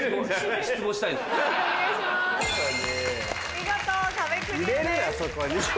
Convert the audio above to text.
見事壁クリアです。